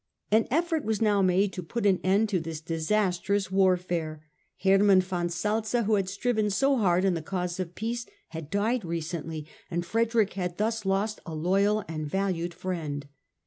An effort was now made to put an end to this disastrous warfare. Hermann von Salza, who had striven so hard in the cause of peace, had died recently and Frederick had thus lost a loyal and valued friend.